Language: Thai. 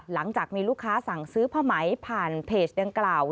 หลังจากมีลูกค้าสั่งซื้อผ้าไหมผ่านเพจดังกล่าว